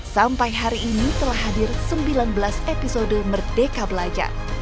sampai hari ini telah hadir sembilan belas episode merdeka belajar